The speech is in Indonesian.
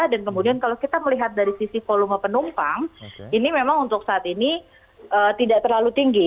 dan kemudian kalau kita melihat dari sisi volume penumpang ini memang untuk saat ini tidak terlalu tinggi